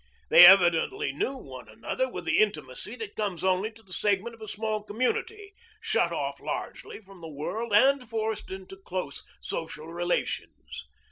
They evidently knew one another with the intimacy that comes only to the segment of a small community shut off largely from the world and forced into close social relations.